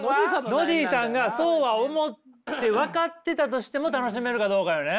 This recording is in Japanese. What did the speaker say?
ノディさんがそうは思って分かってたとしても楽しめるかどうかよね。